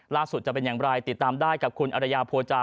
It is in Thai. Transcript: จะเป็นอย่างไรติดตามได้กับคุณอรยาโพจา